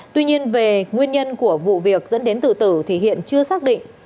tuy nhiên về nguyên nhân của vụ việc dẫn đến tự tử thì hiện chưa xác định